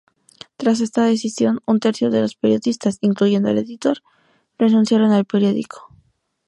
Tras esta decisión, un tercio de los periodistas, incluyendo el editor, renunciaron al periódico.